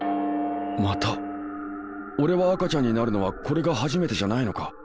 俺は赤ちゃんになるのはこれが初めてじゃないのか？